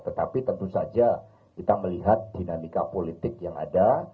tetapi tentu saja kita melihat dinamika politik yang ada